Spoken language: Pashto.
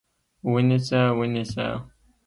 ونیسه! ونیسه!